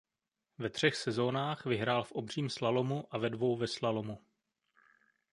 Ve třech sezónách vyhrál v obřím slalomu a ve dvou ve slalomu.